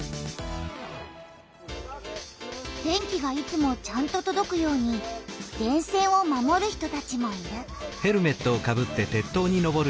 電気がいつもちゃんととどくように「電線」を守る人たちもいる。